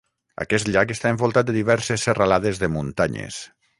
Aquest llac està envoltat de diverses serralades de muntanyes.